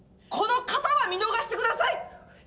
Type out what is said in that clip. この方は見逃して下さい！